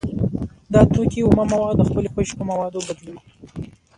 دا توکی اومه مواد د خپلې خوښې په موادو بدلوي